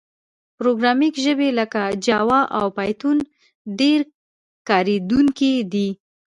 پروګرامینګ ژبې لکه جاوا او پایتون ډېر کارېدونکي دي.